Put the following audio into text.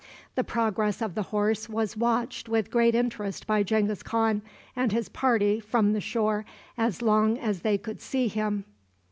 The progress of the horse was watched with great interest by Genghis Khan and his party from the shore as long as they could see him.